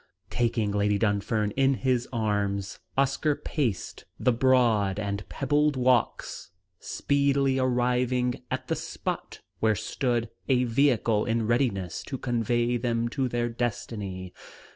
Taking Lady Dunfern in his arms, Oscar paced the broad and pebbled walks, speedily arriving at the spot where stood a vehicle in readiness to convey them to their destiny.